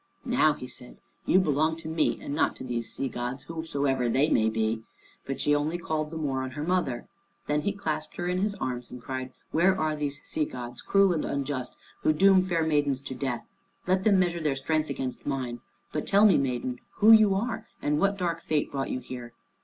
"Now," he said, "you belong to me, and not to these sea gods, whosoever they may be." But she only called the more on her mother. Then he clasped her in his arms, and cried, "Where are these sea gods, cruel and unjust, who doom fair maids to death? Let them measure their strength against mine. But tell me, maiden, who you are, and what dark fate brought you here."